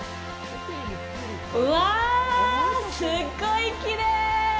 うわあ、すっごいきれい！